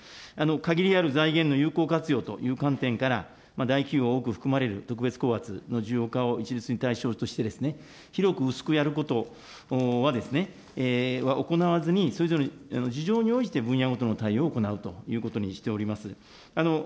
限りある財源の有効活用という観点から、大企業が多く含まれる特別高圧の需要化を一律に対象として、広く薄くやることは、行わずに、それぞれ事情において分野ごとの対応を行うということにしております。